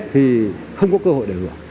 thì không có cơ hội để hưởng